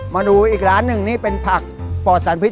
มาดูอีกร้านหนึ่งนี่เป็นผักป่อสันวิทย์